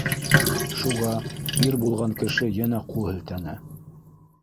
Шуға ир булған кеше йәнә ҡул һелтәне.